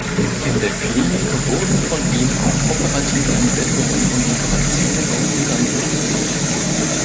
In der Klinik wurden von ihm auch operative Entbindungen und Operationen bei Kindern durchgeführt.